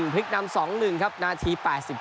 พลิกนำ๒๑ครับนาที๘๙